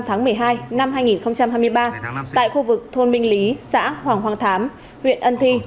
hai mươi h ngày hai mươi năm tháng một mươi hai năm hai nghìn hai mươi ba tại khu vực thôn minh lý xã hoàng hoàng thám huyện ân thi